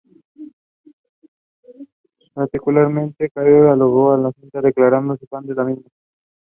Sullivan revealed that she was burned out and left the music industry.